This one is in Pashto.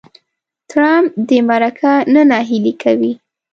ټرمپ دې مرکه نه نهیلې کوي.